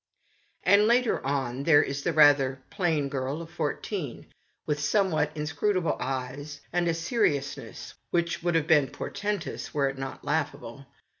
And, later on, there is the rather plain girl of fourteen, with somewhat inscrutable eyes, and a seriousness which would have been portentous were it not laughable.